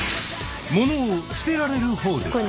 物を捨てられるほうですか？